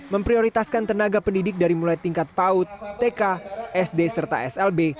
memprioritaskan tenaga pendidik dari mulai tingkat paut tk sd serta slb